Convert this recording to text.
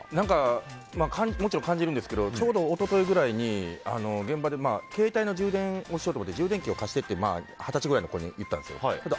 もちろん感じるんですけどちょうど一昨日くらいに現場で携帯の充電をしようと思って充電器、貸してって二十歳くらいの子に言ったんですよ。